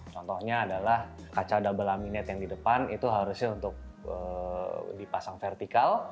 contohnya adalah kaca double laminate yang di depan itu harusnya untuk dipasang vertikal